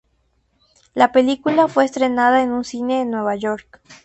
La película fue estrenada en un cine en Nueva York.